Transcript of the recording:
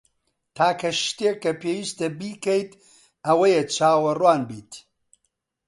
تاکە شتێک کە پێویستە بیکەیت ئەوەیە چاوەڕوان بیت.